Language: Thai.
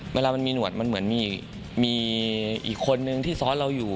เวลามันมีหนวดมันเหมือนมีอีกคนนึงที่ซ้อนเราอยู่